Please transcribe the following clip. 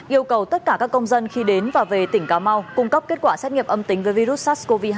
yêu cầu tất cả các công dân khi đến và về tỉnh cà mau cung cấp kết quả xét nghiệm âm tính với virus sars cov hai